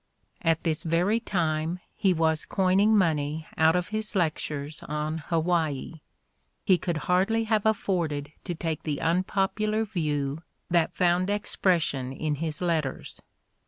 At this very time he was coining money out of his lectures on Hawaii : he could hardly have afforded to take the unpopular view that found expression in his letters.